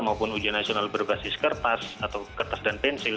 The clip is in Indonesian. maupun ujian nasional berbasis kertas atau kertas dan pensil